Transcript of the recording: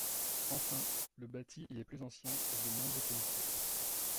Enfin, le bâti y est plus ancien et de moindre qualité.